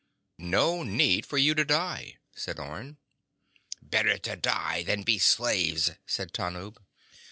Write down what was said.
"No need for you to die," said Orne. "Better to die than be slaves," said Tanub.